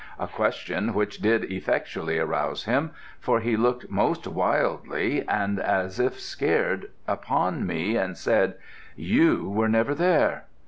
A question which did effectually arouse him, for he looked most wildly, and as if scared, upon me, and said, 'You were never there?